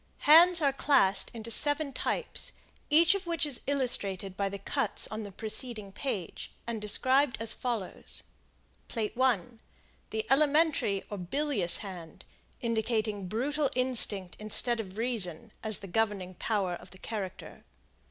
Hands are classed into seven types, each of which is illustrated by the cuts on the preceding page, and described as follows: Plate I The Elementary or Bilious Hand, indicating brutal instinct instead of reason as the governing power of the character.